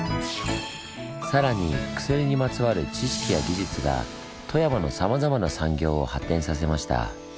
さらに薬にまつわる知識や技術が富山のさまざまな産業を発展させました。